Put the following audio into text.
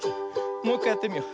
もういっかいやってみよう。